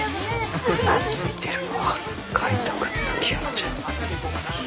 懐いてるのは海斗くんと清乃ちゃん。